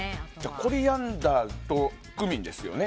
コリアンダーとクミンですよね。